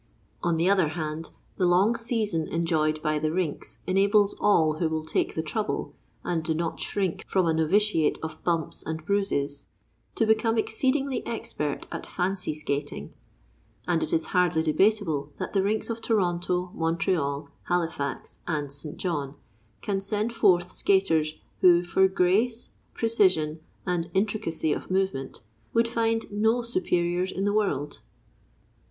On the other hand, the long season enjoyed by the rinks enables all who will take the trouble, and do not shrink from a novitiate of bumps and bruises, to become exceedingly expert at fancy skating; and it is hardly debatable that the rinks of Toronto, Montreal, Halifax, and St. John can send forth skaters who, for grace, precision, and intricacy of movement, would find no superiors in the world.